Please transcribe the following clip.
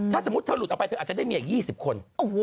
ถ้าสมมุติเธอหลุดออกไปเธออาจจะได้เมียอีก๒๐คน